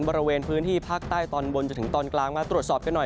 บริเวณพื้นที่ภาคใต้ตอนบนจนถึงตอนกลางมาตรวจสอบกันหน่อย